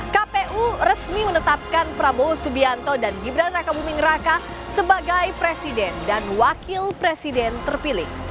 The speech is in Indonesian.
kpu resmi menetapkan prabowo subianto dan gibran raka buming raka sebagai presiden dan wakil presiden terpilih